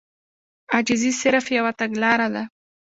عاجزي صرف يوه تګلاره ده.